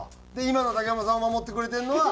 今の竹山さんを守ってくれてるのは。